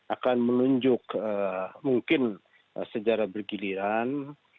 akan menunjuk mungkin sejarah bergiliran